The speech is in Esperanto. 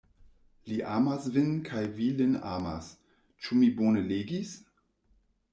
Li amas vin kaj vi lin amas! Ĉu mi bone legis?